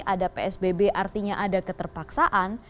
ada psbb artinya ada keterpaksaan